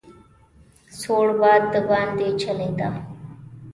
سوړ باد دباندې چلېده.